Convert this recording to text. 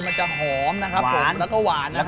มันจะหอมนะครับผมแล้วก็หวานนะครับ